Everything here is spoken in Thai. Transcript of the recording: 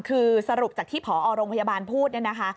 คือสรุปจากที่ผอโรงพยาบาลพูดเนี่ยนะคะ